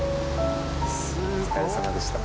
お疲れさまでした。